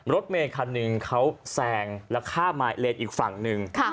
รถเมฆคันนึงเขาแซงแล้วข้ามายเลนส์อีกฝั่งนึง